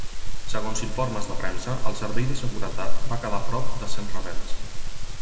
Segons informes de premsa, al Servei de Seguretat va quedar prop de cent rebels.